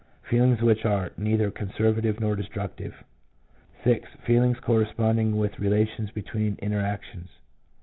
Feelings which are neither conservative nor destructive; VI. Feelings corresponding with relations between interactions.